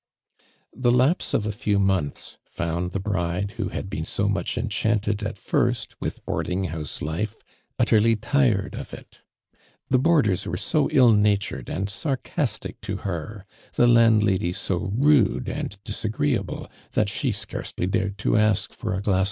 The lapse of a few months found the bride who had been so much enchanted at first, with boarding house life, utterly tired of it. The boarders were so ill natured and sarcastic to her — the landlady so rude and disagreeable that she scarcely dared to ask for a glass